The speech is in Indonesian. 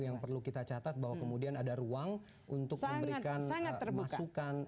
yang perlu kita catat bahwa kemudian ada ruang untuk memberikan masukan